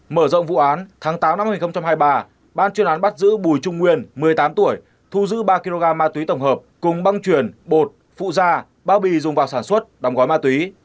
mở rộng vụ án tháng tám năm hai nghìn hai mươi ba ban chuyên án bắt giữ bùi trung nguyên một mươi tám tuổi thu giữ ba kg ma túy tổng hợp cùng băng chuyển bột phụ da bao bì dùng vào sản xuất đóng gói ma túy